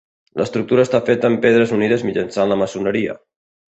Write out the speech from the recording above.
L'estructura està feta amb pedres unides mitjançant la maçoneria.